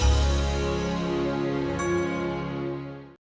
mama akan jagain kamu